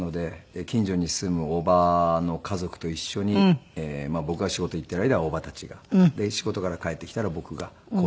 近所に住む叔母の家族と一緒に僕が仕事行っている間は叔母たちがで仕事から帰ってきたら僕が交代して。